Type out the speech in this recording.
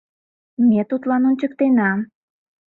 — Ме тудлан ончыктена!..